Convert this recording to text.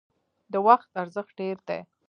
د وخت ارزښت ډیر دی